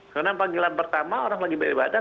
karena panggilan pertama orang lagi beribadah